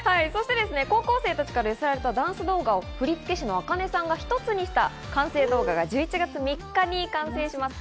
そして高校生たちから寄せられたダンス動画は振付師のａｋａｎｅさんが一つにした完成動画が１１月３日に完成します。